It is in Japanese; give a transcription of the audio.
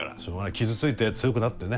傷ついて強くなってね。